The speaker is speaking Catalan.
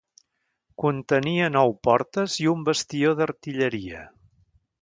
Contenia nou portes i un bastió d'artilleria.